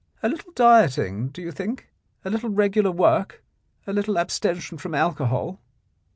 A little dieting, do you think, a little regular work, a little abstention from alcohol